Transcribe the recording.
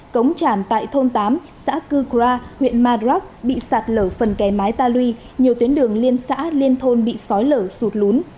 cống tràn tại thôn tám xã cư kra huyện madrak bị sạt lở phần kè mái ta lui nhiều tuyến đường liên xã liên thôn bị sói lở sụt lún